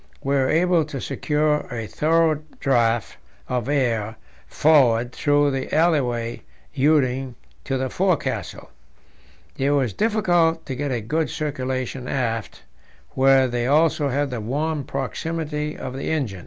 We were able to secure a thorough draught of air forward through the alleyway leading to the forecastle; it was difficult to get a good circulation aft, where they also had the warm proximity of the engine.